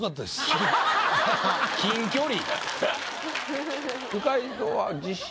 「近距離」。